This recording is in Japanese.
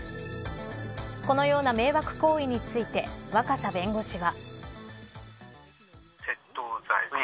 このような迷惑行為について若狭弁護士は。